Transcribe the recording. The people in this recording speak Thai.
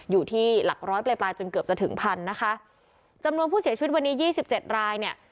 อยู่ที่หลักร้อยปลายปลายจนเกือบจะถึงพันนะคะจำนวนผู้เสียชีวิตวันนี้ยี่สิบเจ็ดรายเนี่ย